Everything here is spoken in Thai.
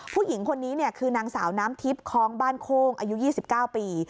ผู้หญิงคนนี้คือนางสาวน้ำทิพย์คล้องบ้านโค้งอายุ๒๙ปี